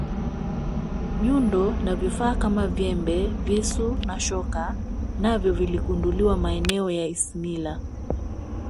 nyundo na vifaa Kama nyembe visu na shoka navyo viligunduliwa maeneo ya ismila